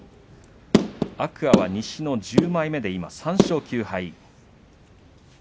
天空海は西の１０枚目で今、３勝９敗。